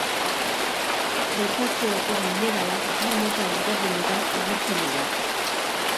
Kretazeoko mineralak bi mota ezberdinetan agertzen dira.